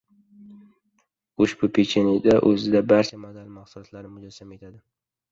Ushbu pechenye o‘zida barcha mazali mahsulotlarni mujassam etadi